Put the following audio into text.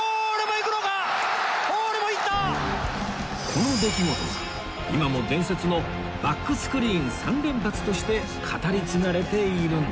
この出来事が今も伝説のバックスクリーン３連発として語り継がれているんです